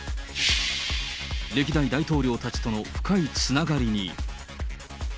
歴代大統領たちとの深いつながりに。